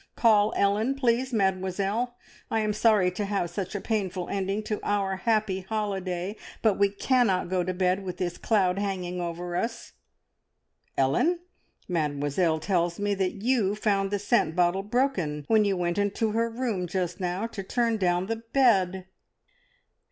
Call Ellen, please, Mademoiselle. I am sorry to have such a painful ending to our happy holiday, but we cannot go to bed with this cloud hanging over us. Ellen, Mademoiselle tells me that you found the scent bottle broken when you went into her room just now to turn down the bed!"